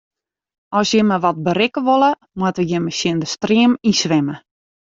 As jimme wat berikke wolle, moatte jimme tsjin de stream yn swimme.